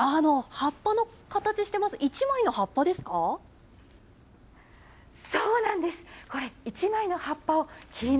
葉っぱの形してます、１枚の葉っぱですか？